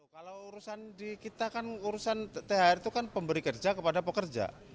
kalau urusan di kita kan urusan thr itu kan pemberi kerja kepada pekerja